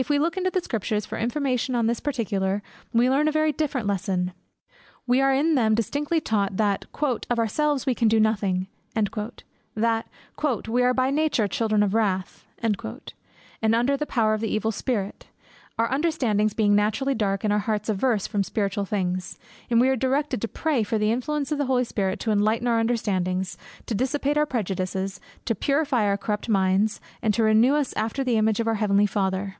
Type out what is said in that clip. If we look into the Scriptures for information on this particular, we learn a very different lesson. We are in them distinctly taught, that "of ourselves we can do nothing;" that "we are by nature children of wrath," and under the power of the evil spirit, our understandings being naturally dark, and our hearts averse from spiritual things; and we are directed to pray for the influence of the Holy Spirit to enlighten our understandings, to dissipate our prejudices, to purify our corrupt minds, and to renew us after the image of our heavenly Father.